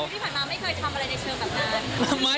ที่ผ่านมาไม่เคยทำอะไรในเชิงแบบนั้น